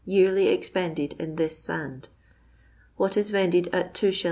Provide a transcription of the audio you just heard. yearly expended in this sand. What is vended at 2s.